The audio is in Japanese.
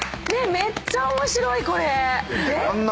めっちゃ面白いこれ。